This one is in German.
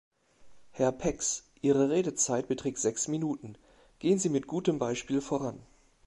Herr Pex, Ihre Redezeit beträgt sechs Minuten, gehen Sie mit gutem Beispiel voran.